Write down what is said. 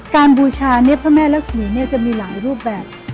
การบูชาพระแม่ลักษมีศจะมีหลายรูปแบบ